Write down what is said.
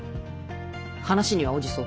話には応じそうか。